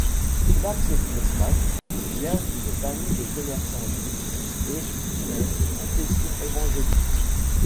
Max Fleischmann vient d'une famille de commerçants juifs et est de confession évangélique.